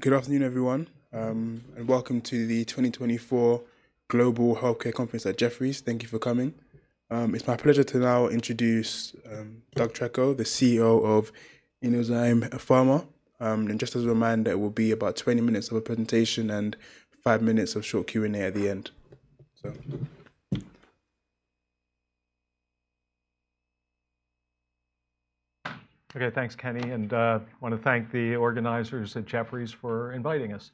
Good afternoon, everyone, and welcome to the 2024 Global Healthcare Conference at Jefferies. Thank you for coming. It's my pleasure to now introduce Doug Treco, the CEO of Inozyme Pharma. And just as a reminder, it will be about 20 minutes of a presentation and five minutes of short Q&A at the end. Okay, thanks, Kenny. And I want to thank the organizers at Jefferies for inviting us.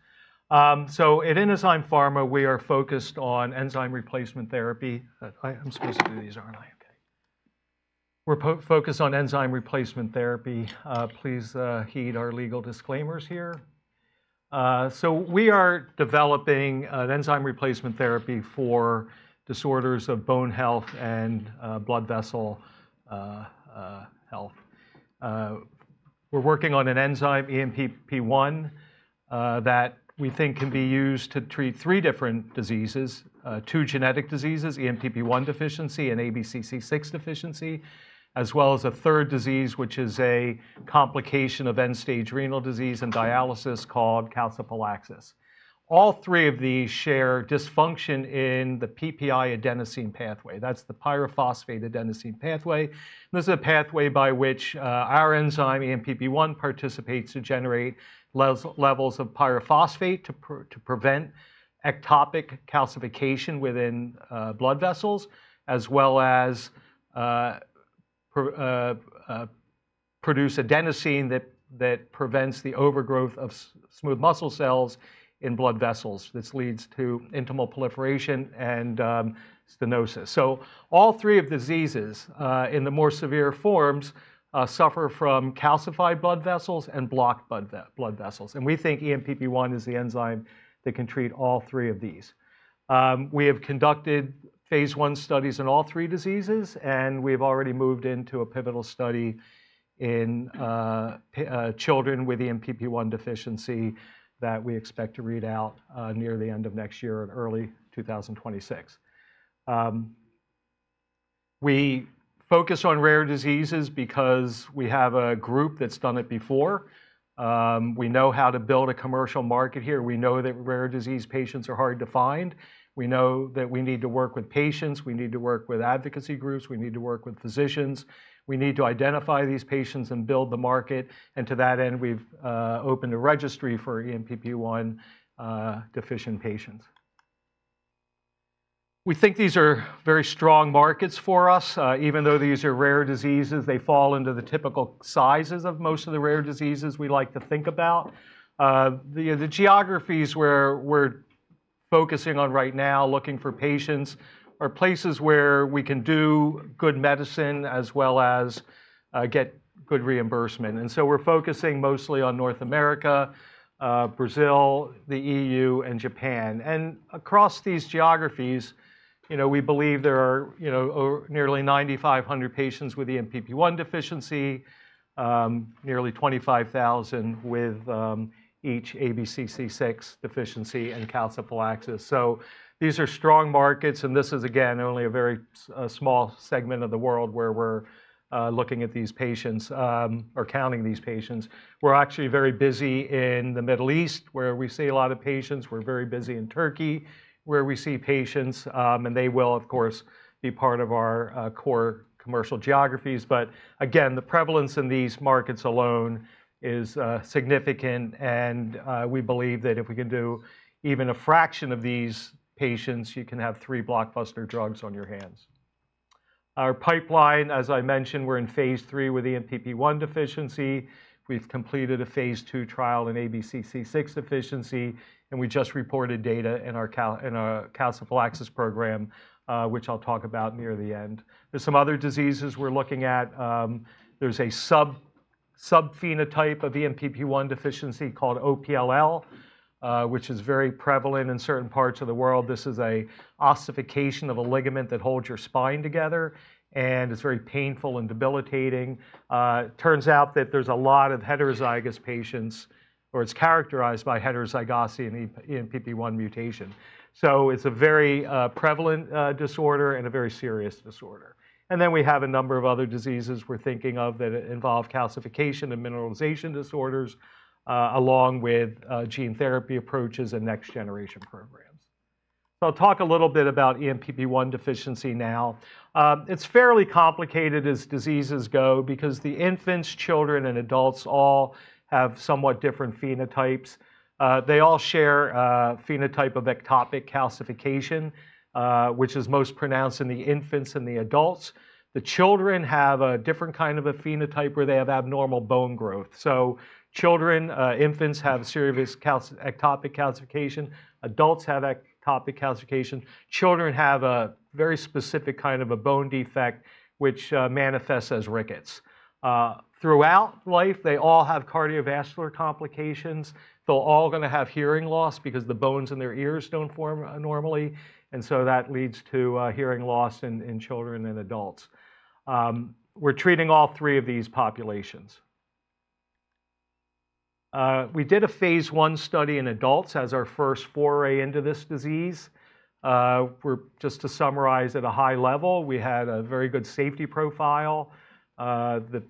So at Inozyme Pharma, we are focused on enzyme replacement therapy. I'm supposed to do these, aren't I? Okay. We're focused on enzyme replacement therapy. Please heed our legal disclaimers here. So we are developing an enzyme replacement therapy for disorders of bone health and blood vessel health. We're working on an enzyme, ENPP1, that we think can be used to treat three different diseases: two genetic diseases, ENPP1 Deficiency and ABCC6 Deficiency, as well as a third disease, which is a complication of end-stage renal disease and dialysis called calciphylaxis. All three of these share dysfunction in the PPi-adenosine pathway. That's the pyrophosphate adenosine pathway. This is a pathway by which our enzyme, ENPP1, participates to generate levels of pyrophosphate to prevent ectopic calcification within blood vessels, as well as produce adenosine that prevents the overgrowth of smooth muscle cells in blood vessels. This leads to intimal proliferation and stenosis, so all three of the diseases, in the more severe forms, suffer from calcified blood vessels and blocked blood vessels, and we think ENPP1 is the enzyme that can treat all three of these. We have conducted Phase I studies in all three diseases, and we've already moved into a pivotal study in children with ENPP1 Deficiency that we expect to read out near the end of next year and early 2026. We focus on rare diseases because we have a group that's done it before. We know how to build a commercial market here. We know that rare disease patients are hard to find. We know that we need to work with patients. We need to work with advocacy groups. We need to work with physicians. We need to identify these patients and build the market. And to that end, we've opened a registry for ENPP1 deficient patients. We think these are very strong markets for us. Even though these are rare diseases, they fall into the typical sizes of most of the rare diseases we like to think about. The geographies we're focusing on right now, looking for patients, are places where we can do good medicine as well as get good reimbursement. And so we're focusing mostly on North America, Brazil, the EU, and Japan. And across these geographies, we believe there are nearly 9,500 patients with ENPP1 Deficiency, nearly 25,000 with each ABCC6 Deficiency and calciphylaxis. So these are strong markets. This is, again, only a very small segment of the world where we're looking at these patients or counting these patients. We're actually very busy in the Middle East, where we see a lot of patients. We're very busy in Turkey, where we see patients. And they will, of course, be part of our core commercial geographies. But again, the prevalence in these markets alone is significant. And we believe that if we can do even a fraction of these patients, you can have three blockbuster drugs on your hands. Our pipeline, as I mentioned, we're in Phase III with ENPP1 Deficiency. We've completed a Phase II trial in ABCC6 Deficiency. And we just reported data in our calciphylaxis program, which I'll talk about near the end. There's some other diseases we're looking at. There's a subphenotype of ENPP1 Deficiency called OPLL, which is very prevalent in certain parts of the world. This is an ossification of a ligament that holds your spine together, and it's very painful and debilitating. It turns out that there's a lot of heterozygous patients or it's characterized by heterozygosity in ENPP1 mutation, so it's a very prevalent disorder and a very serious disorder, and then we have a number of other diseases we're thinking of that involve calcification and mineralization disorders, along with gene therapy approaches and next-generation programs, so I'll talk a little bit about ENPP1 Deficiency now. It's fairly complicated as diseases go because the infants, children, and adults all have somewhat different phenotypes. They all share a phenotype of ectopic calcification, which is most pronounced in the infants and the adults. The children have a different kind of a phenotype where they have abnormal bone growth. So children, infants have serious ectopic calcification. Adults have ectopic calcification. Children have a very specific kind of a bone defect, which manifests as rickets. Throughout life, they all have cardiovascular complications. They're all going to have hearing loss because the bones in their ears don't form normally. And so that leads to hearing loss in children and adults. We're treating all three of these populations. We did a Phase I study in adults as our first foray into this disease. Just to summarize at a high level, we had a very good safety profile. The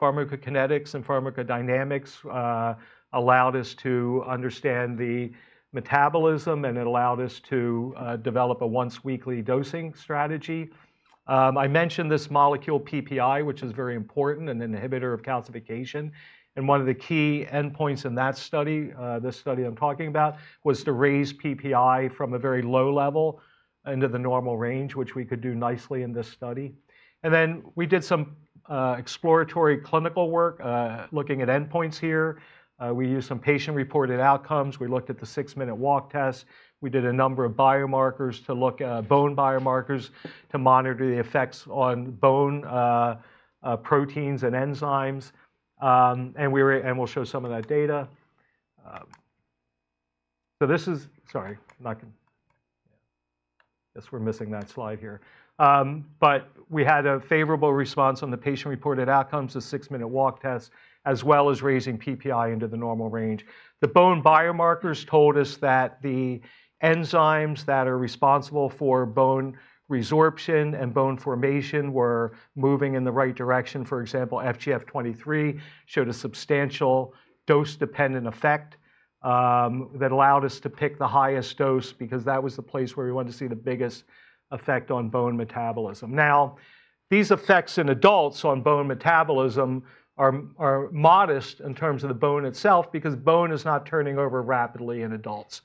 pharmacokinetics and pharmacodynamics allowed us to understand the metabolism, and it allowed us to develop a once-weekly dosing strategy. I mentioned this molecule PPi, which is very important and an inhibitor of calcification. One of the key endpoints in that study, this study I'm talking about, was to raise PPi from a very low level into the normal range, which we could do nicely in this study. Then we did some exploratory clinical work looking at endpoints here. We used some patient-reported outcomes. We looked at the six-minute walk test. We did a number of biomarkers to look at bone biomarkers to monitor the effects on bone proteins and enzymes. We'll show some of that data. This is, sorry, I'm not going to, I guess we're missing that slide here. We had a favorable response on the patient-reported outcomes, the six-minute walk test, as well as raising PPi into the normal range. The bone biomarkers told us that the enzymes that are responsible for bone resorption and bone formation were moving in the right direction. For example, FGF23 showed a substantial dose-dependent effect that allowed us to pick the highest dose because that was the place where we wanted to see the biggest effect on bone metabolism. Now, these effects in adults on bone metabolism are modest in terms of the bone itself because bone is not turning over rapidly in adults.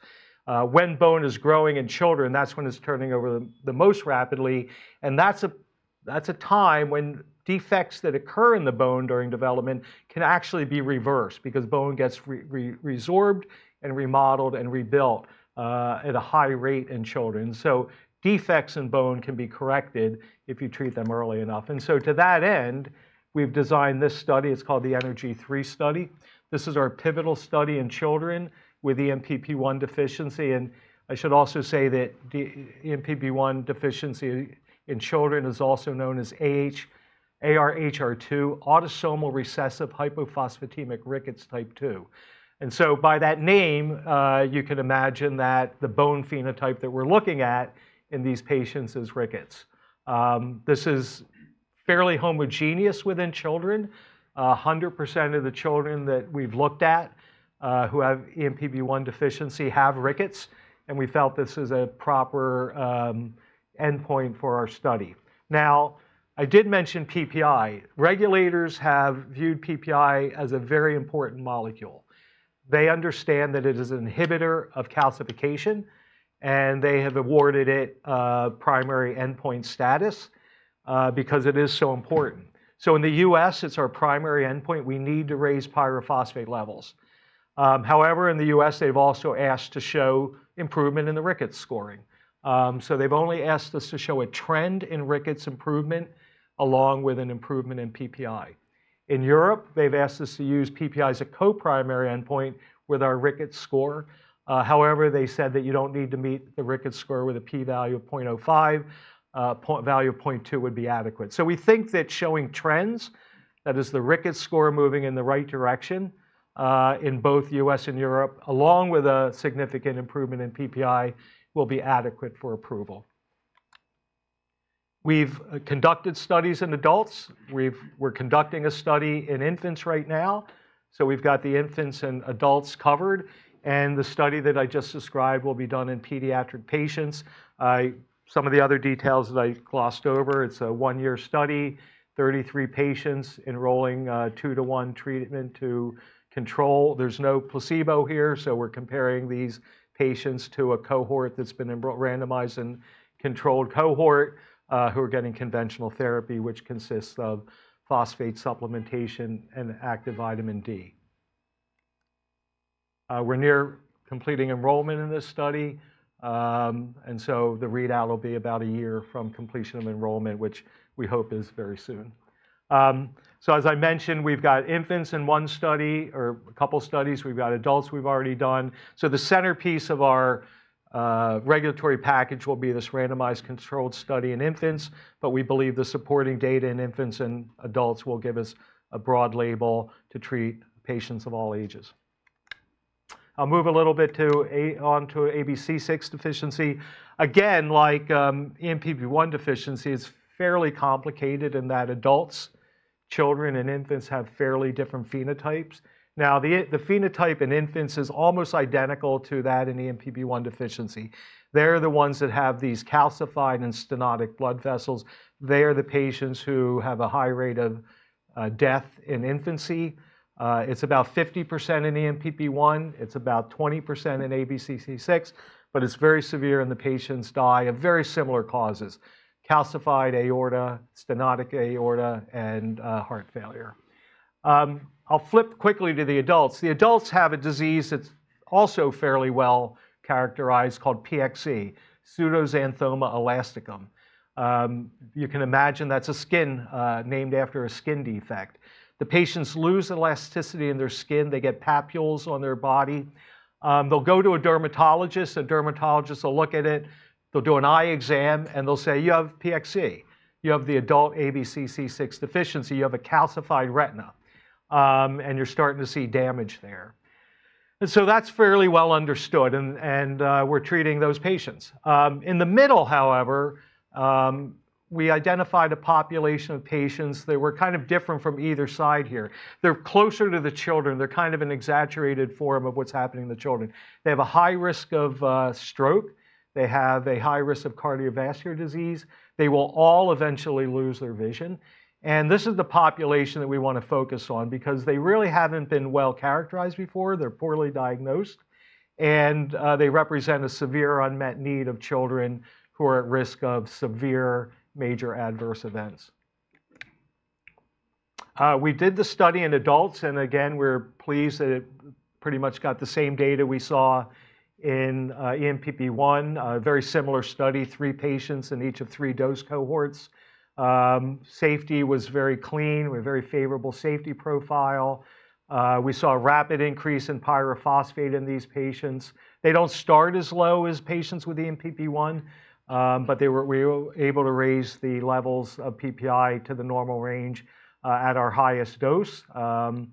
When bone is growing in children, that's when it's turning over the most rapidly. That's a time when defects that occur in the bone during development can actually be reversed because bone gets resorbed and remodeled and rebuilt at a high rate in children. So defects in bone can be corrected if you treat them early enough. To that end, we've designed this study. It's called the ENERGY 3 study. This is our pivotal study in children with ENPP1 Deficiency. I should also say that ENPP1 Deficiency in children is also known as ARHR2, autosomal recessive hypophosphatemic rickets type 2. So by that name, you can imagine that the bone phenotype that we're looking at in these patients is rickets. This is fairly homogeneous within children. 100% of the children that we've looked at who have ENPP1 Deficiency have rickets. We felt this is a proper endpoint for our study. Now, I did mention PPi. Regulators have viewed PPi as a very important molecule. They understand that it is an inhibitor of calcification, and they have awarded it a primary endpoint status because it is so important. In the U.S., it's our primary endpoint. We need to raise pyrophosphate levels. However, in the U.S., they've also asked to show improvement in the rickets scoring. So they've only asked us to show a trend in rickets improvement along with an improvement in PPi. In Europe, they've asked us to use PPi as a co-primary endpoint with our rickets score. However, they said that you don't need to meet the rickets score with a p-value of 0.05. A p-value of 0.2 would be adequate. So we think that showing trends, that is, the rickets score moving in the right direction in both the U.S. and Europe, along with a significant improvement in PPi, will be adequate for approval. We've conducted studies in adults. We're conducting a study in infants right now. So we've got the infants and adults covered. And the study that I just described will be done in pediatric patients. Some of the other details that I glossed over, it's a one-year study, 33 patients enrolling two-to-one treatment to control. There's no placebo here. So we're comparing these patients to a cohort that's been randomized and controlled cohort who are getting conventional therapy, which consists of phosphate supplementation and active vitamin D. We're near completing enrollment in this study. And so the readout will be about a year from completion of enrollment, which we hope is very soon. So as I mentioned, we've got infants in one study or a couple of studies. We've got adults we've already done. So the centerpiece of our regulatory package will be this randomized controlled study in infants. But we believe the supporting data in infants and adults will give us a broad label to treat patients of all ages. I'll move a little bit on to ABCC6 Deficiency. Again, like ENPP1 Deficiency, it's fairly complicated in that adults, children, and infants have fairly different phenotypes. Now, the phenotype in infants is almost identical to that in ENPP1 Deficiency. They're the ones that have these calcified and stenotic blood vessels. They are the patients who have a high rate of death in infancy. It's about 50% in ENPP1. It's about 20% in ABCC6. But it's very severe, and the patients die of very similar causes: calcified aorta, stenotic aorta, and heart failure. I'll flip quickly to the adults. The adults have a disease that's also fairly well characterized called PXE, Pseudoxanthoma elasticum. You can imagine that's a skin named after a skin defect. The patients lose elasticity in their skin. They get papules on their body. They'll go to a dermatologist. A dermatologist will look at it. They'll do an eye exam, and they'll say, "You have PXE. You have the adult ABCC6 Deficiency. You have a calcified retina. “And you're starting to see damage there.” And so that's fairly well understood. And we're treating those patients. In the middle, however, we identified a population of patients that were kind of different from either side here. They're closer to the children. They're kind of an exaggerated form of what's happening in the children. They have a high risk of stroke. They have a high risk of cardiovascular disease. They will all eventually lose their vision. And this is the population that we want to focus on because they really haven't been well characterized before. They're poorly diagnosed. And they represent a severe unmet need of children who are at risk of severe major adverse events. We did the study in adults. And again, we're pleased that it pretty much got the same data we saw in ENPP1, a very similar study, three patients in each of three dose cohorts. Safety was very clean. We have a very favorable safety profile. We saw a rapid increase in pyrophosphate in these patients. They don't start as low as patients with ENPP1, but we were able to raise the levels of PPi to the normal range at our highest dose. And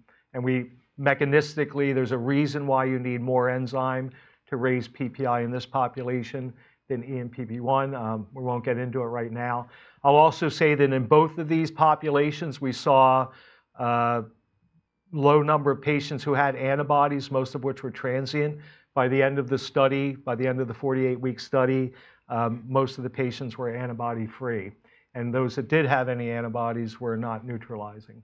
mechanistically, there's a reason why you need more enzyme to raise PPi in this population than ENPP1. We won't get into it right now. I'll also say that in both of these populations, we saw a low number of patients who had antibodies, most of which were transient. By the end of the study, by the end of the 48-week study, most of the patients were antibody-free. And those that did have any antibodies were not neutralizing.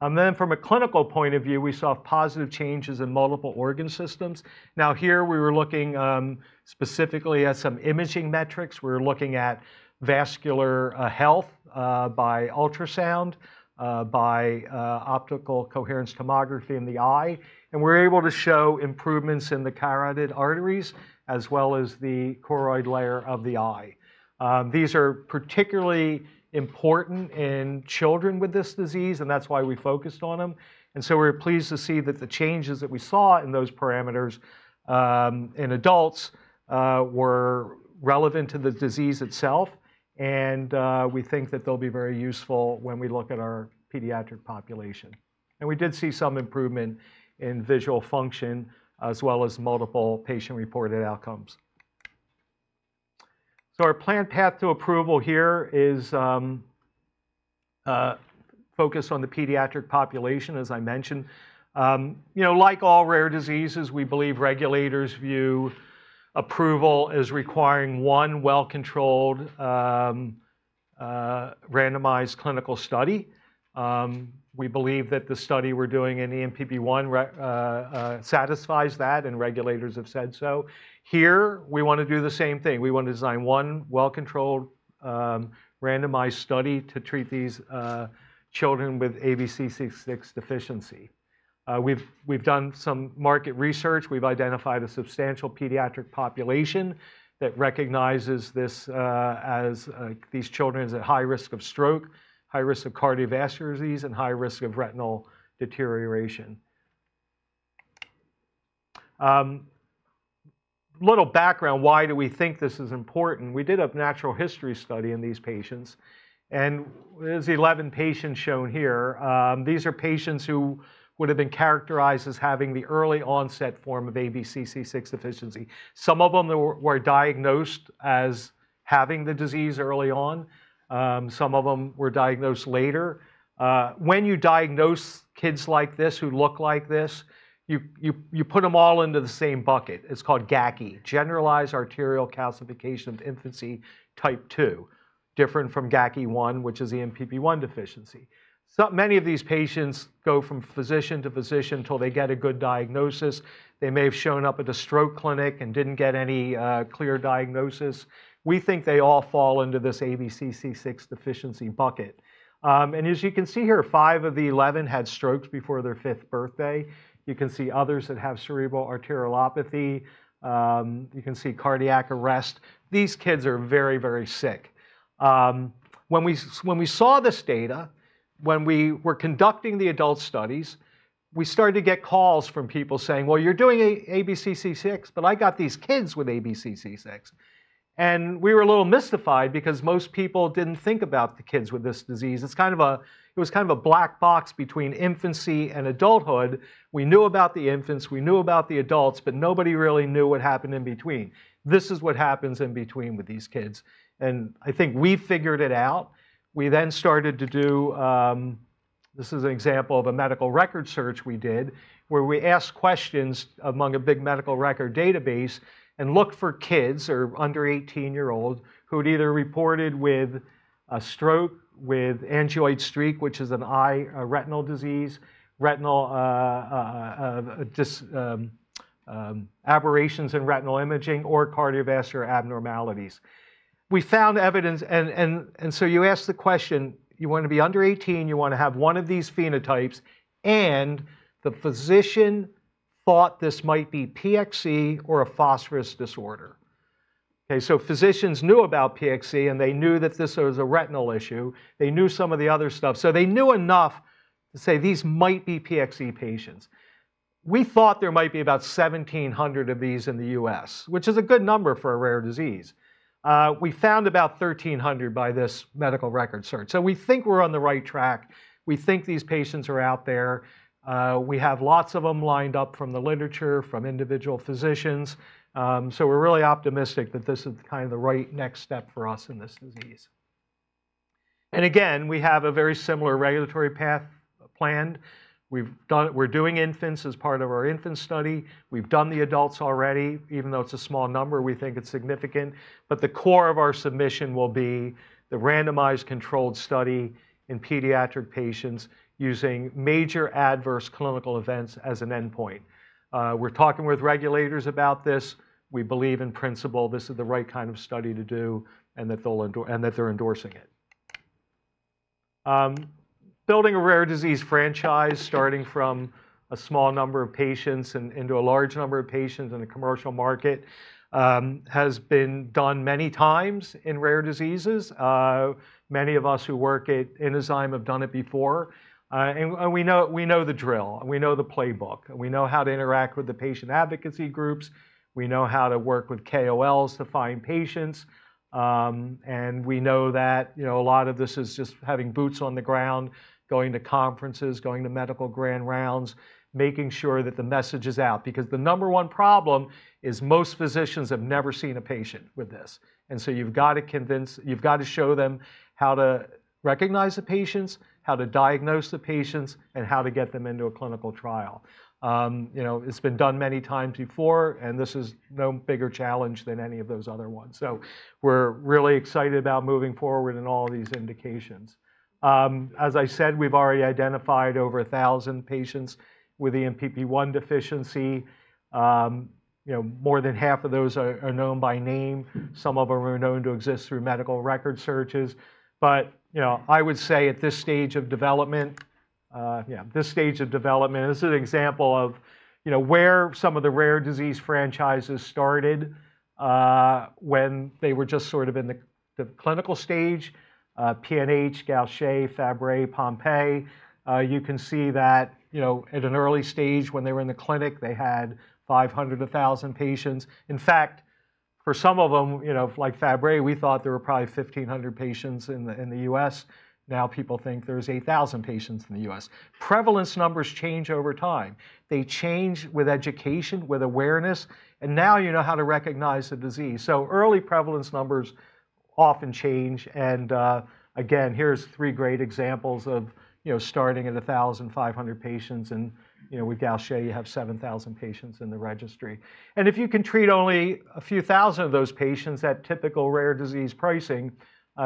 And then from a clinical point of view, we saw positive changes in multiple organ systems. Now, here we were looking specifically at some imaging metrics. We were looking at vascular health by ultrasound, by optical coherence tomography in the eye, and we're able to show improvements in the carotid arteries as well as the choroid layer of the eye. These are particularly important in children with this disease, and that's why we focused on them, and so we're pleased to see that the changes that we saw in those parameters in adults were relevant to the disease itself, and we think that they'll be very useful when we look at our pediatric population, and we did see some improvement in visual function as well as multiple patient-reported outcomes, so our planned path to approval here is focused on the pediatric population, as I mentioned. Like all rare diseases, we believe regulators view approval as requiring one well-controlled randomized clinical study. We believe that the study we're doing in ENPP1 satisfies that, and regulators have said so. Here, we want to do the same thing. We want to design one well-controlled randomized study to treat these children with ABCC6 Deficiency. We've done some market research. We've identified a substantial pediatric population that recognizes these children as at high risk of stroke, high risk of cardiovascular disease, and high risk of retinal deterioration. A little background: why do we think this is important? We did a natural history study in these patients. And there's 11 patients shown here. These are patients who would have been characterized as having the early onset form of ABCC6 Deficiency. Some of them were diagnosed as having the disease early on. Some of them were diagnosed later. When you diagnose kids like this who look like this, you put them all into the same bucket. It's called GACI, Generalized Arterial Calcification of Infancy, type 2, different from GACI1, which is ENPP1 Deficiency. Many of these patients go from physician to physician until they get a good diagnosis. They may have shown up at a stroke clinic and didn't get any clear diagnosis. We think they all fall into this ABCC6 Deficiency bucket, and as you can see here, five of the 11 had strokes before their fifth birthday. You can see others that have cerebral arteriopathy. You can see cardiac arrest. These kids are very, very sick. When we saw this data, when we were conducting the adult studies, we started to get calls from people saying, "Well, you're doing ABCC6, but I got these kids with ABCC6," and we were a little mystified because most people didn't think about the kids with this disease. It's kind of a black box between infancy and adulthood. We knew about the infants. We knew about the adults, but nobody really knew what happened in between. This is what happens in between with these kids, and I think we figured it out. We then started to do this. This is an example of a medical record search we did, where we asked questions among a big medical record database and looked for kids or under-18-year-olds who had either reported with a stroke, with angioid streak, which is an eye retinal disease, aberrations in retinal imaging, or cardiovascular abnormalities. We found evidence, and so you asked the question, "You want to be under 18. You want to have one of these phenotypes," and the physician thought this might be PXE or a phosphorus disorder. Okay, so physicians knew about PXE, and they knew that this was a retinal issue. They knew some of the other stuff. So they knew enough to say, "These might be PXE patients." We thought there might be about 1,700 of these in the US, which is a good number for a rare disease. We found about 1,300 by this medical record search, so we think we're on the right track. We think these patients are out there. We have lots of them lined up from the literature, from individual physicians, so we're really optimistic that this is kind of the right next step for us in this disease, and again, we have a very similar regulatory path planned. We're doing infants as part of our infant study. We've done the adults already. Even though it's a small number, we think it's significant, but the core of our submission will be the randomized controlled study in pediatric patients using major adverse clinical events as an endpoint. We're talking with regulators about this. We believe, in principle, this is the right kind of study to do and that they're endorsing it. Building a rare disease franchise, starting from a small number of patients and into a large number of patients in the commercial market, has been done many times in rare diseases. Many of us who work at Inozyme have done it before. And we know the drill. We know the playbook. We know how to interact with the patient advocacy groups. We know how to work with KOLs to find patients. And we know that a lot of this is just having boots on the ground, going to conferences, going to medical grand rounds, making sure that the message is out. Because the number one problem is most physicians have never seen a patient with this. And so you've got to convince you've got to show them how to recognize the patients, how to diagnose the patients, and how to get them into a clinical trial. It's been done many times before, and this is no bigger challenge than any of those other ones. So we're really excited about moving forward in all of these indications. As I said, we've already identified over 1,000 patients with ENPP1 Deficiency. More than half of those are known by name. Some of them are known to exist through medical record searches. But I would say at this stage of development is an example of where some of the rare disease franchises started when they were just sort of in the clinical stage: PNH, Gaucher, Fabry, Pompe. You can see that at an early stage when they were in the clinic, they had 500-1,000 patients. In fact, for some of them, like Fabry, we thought there were probably 1,500 patients in the U.S. Now people think there's 8,000 patients in the U.S. Prevalence numbers change over time. They change with education, with awareness. And now you know how to recognize the disease. So early prevalence numbers often change. And again, here's three great examples of starting at 1,500 patients. And with Gaucher, you have 7,000 patients in the registry. And if you can treat only a few thousand of those patients at typical rare disease pricing,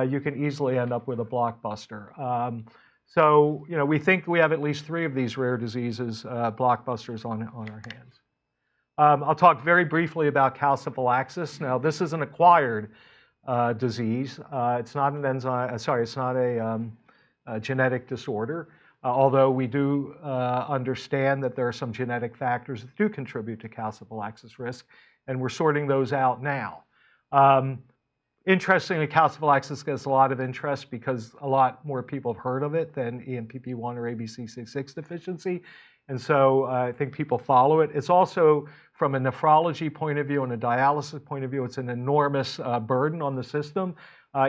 you can easily end up with a blockbuster. So we think we have at least three of these rare diseases blockbusters on our hands. I'll talk very briefly about calciphylaxis. Now, this is an acquired disease. It's not an enzyme. Sorry, it's not a genetic disorder. Although we do understand that there are some genetic factors that do contribute to calciphylaxis risk, and we're sorting those out now. Interestingly, calciphylaxis gets a lot of interest because a lot more people have heard of it than ENPP1 or ABCC6 Deficiency, and so I think people follow it. It's also, from a nephrology point of view and a dialysis point of view, it's an enormous burden on the system,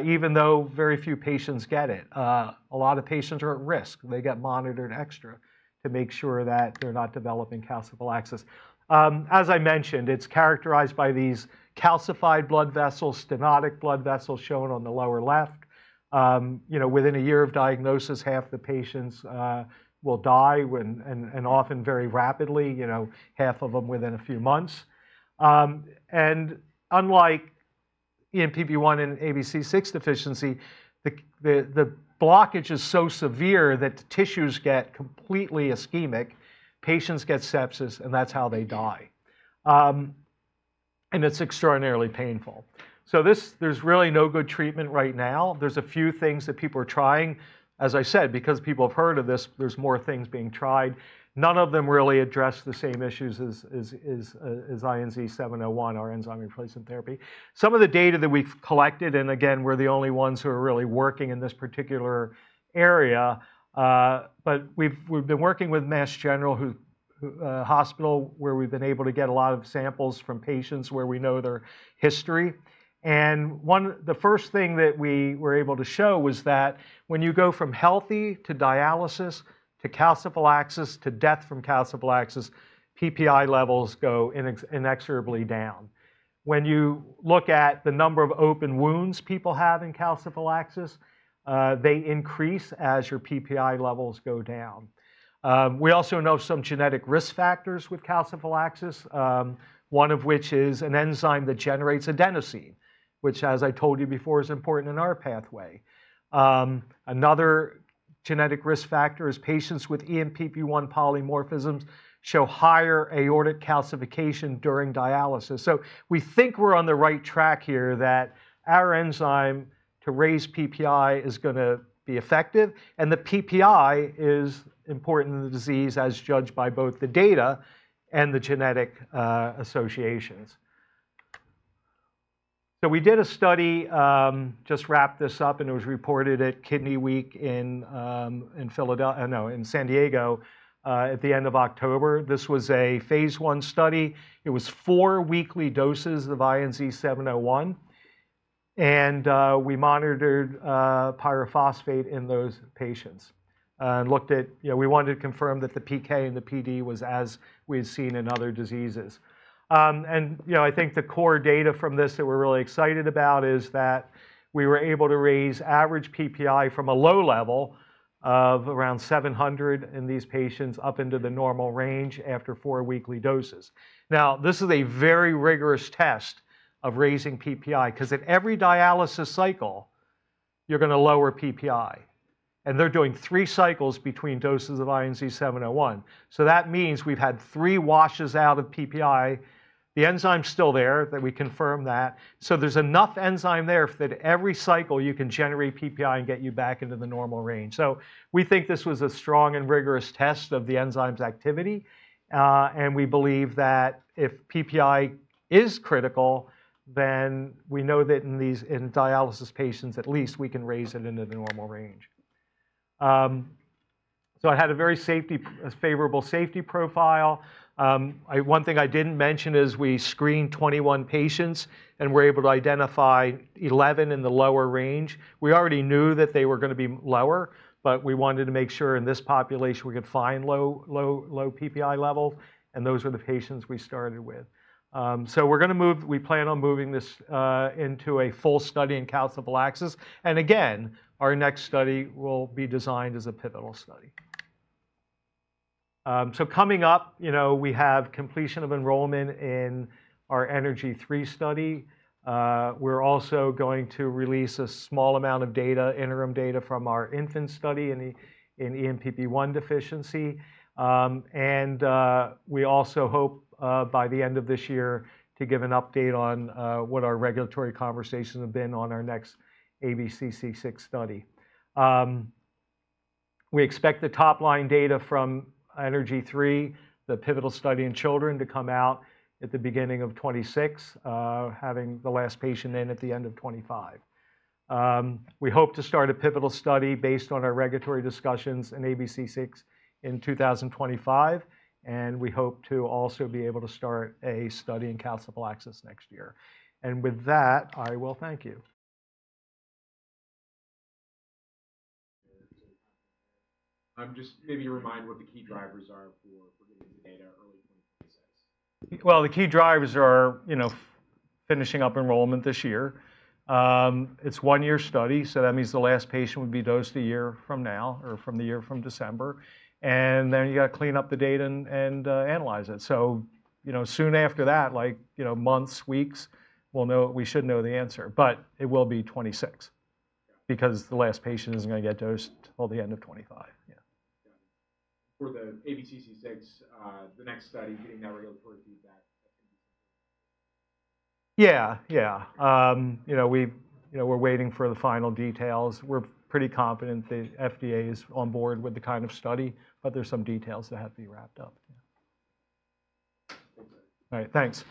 even though very few patients get it. A lot of patients are at risk. They get monitored extra to make sure that they're not developing calciphylaxis. As I mentioned, it's characterized by these calcified blood vessels, stenotic blood vessels shown on the lower left. Within a year of diagnosis, half the patients will die, and often very rapidly, half of them within a few months. Unlike ENPP1 and ABCC6 Deficiency, the blockage is so severe that the tissues get completely ischemic. Patients get sepsis, and that's how they die. It's extraordinarily painful. There's really no good treatment right now. There's a few things that people are trying. As I said, because people have heard of this, there's more things being tried. None of them really address the same issues as INZ-701, our enzyme replacement therapy. Some of the data that we've collected, and again, we're the only ones who are really working in this particular area, but we've been working with Massachusetts General Hospital, where we've been able to get a lot of samples from patients where we know their history. The first thing that we were able to show was that when you go from healthy to dialysis to calciphylaxis to death from calciphylaxis, PPi levels go inexorably down. When you look at the number of open wounds people have in calciphylaxis, they increase as your PPi levels go down. We also know some genetic risk factors with calciphylaxis, one of which is an enzyme that generates adenosine, which, as I told you before, is important in our pathway. Another genetic risk factor is patients with ENPP1 polymorphisms show higher aortic calcification during dialysis. So we think we're on the right track here, that our enzyme to raise PPi is going to be effective. And the PPi is important in the disease, as judged by both the data and the genetic associations. So we did a study, just wrapped this up, and it was reported at Kidney Week in San Diego at the end of October. This was a Phase I study. It was four weekly doses of INZ-701. And we monitored pyrophosphate in those patients and looked at. We wanted to confirm that the PK and the PD was as we had seen in other diseases. And I think the core data from this that we're really excited about is that we were able to raise average PPi from a low level of around 700 in these patients up into the normal range after four weekly doses. Now, this is a very rigorous test of raising PPi because at every dialysis cycle, you're going to lower PPi. And they're doing three cycles between doses of INZ-701. So that means we've had three washes out of PPi. The enzyme's still there, that we confirm that. So there's enough enzyme there that every cycle, you can generate PPi and get you back into the normal range. So we think this was a strong and rigorous test of the enzyme's activity. We believe that if PPi is critical, then we know that in dialysis patients, at least, we can raise it into the normal range. It had a very favorable safety profile. One thing I didn't mention is we screened 21 patients, and we're able to identify 11 in the lower range. We already knew that they were going to be lower, but we wanted to make sure in this population, we could find low PPi levels. Those were the patients we started with. We're going to move. We plan on moving this into a full study in calciphylaxis. Again, our next study will be designed as a pivotal study. Coming up, we have completion of enrollment in our ENERGY 3 study. We're also going to release a small amount of data, interim data from our infant study in ENPP1 Deficiency. We also hope by the end of this year to give an update on what our regulatory conversations have been on our next ABCC6 study. We expect the top-line data from ENERGY 3, the pivotal study in children, to come out at the beginning of 2026, having the last patient in at the end of 2025. We hope to start a pivotal study based on our regulatory discussions in ABCC6 in 2025. We hope to also be able to start a study in calciphylaxis next year. With that, I will thank you. I'm just, maybe you remind what the key drivers are for getting the data early 2026. The key drivers are finishing up enrollment this year. It's a one-year study. That means the last patient would be dosed a year from now or from the year from December. And then you got to clean up the data and analyze it. So soon after that, like months, weeks, we should know the answer. But it will be 2026 because the last patient isn't going to get dosed till the end of 2025. Yeah. For the ABCC6, the next study, getting that regulatory feedback, that can be something. Yeah. Yeah. We're waiting for the final details. We're pretty confident the FDA is on board with the kind of study, but there's some details that have to be wrapped up. All right. Thanks.